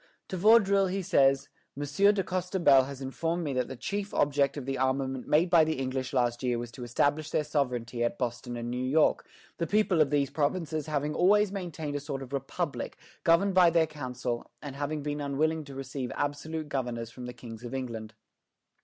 To Vaudreuil he says: "Monsieur de Costebelle has informed me that the chief object of the armament made by the English last year was to establish their sovereignty at Boston and New York, the people of these provinces having always maintained a sort of republic, governed by their council, and having been unwilling to receive absolute governors from the kings of England.